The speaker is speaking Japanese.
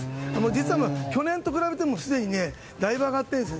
実は、去年と比べてもすでにだいぶ上がっています。